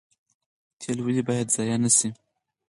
تیل ولې باید ضایع نشي؟